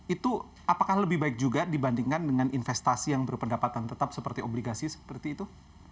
itu apakah lebih baik juga dibandingkan dengan investasi yang berpendapatan tetap seperti obligasi seperti itu